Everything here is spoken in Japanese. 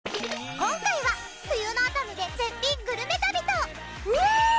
今回は冬の熱海で絶品グルメ旅と。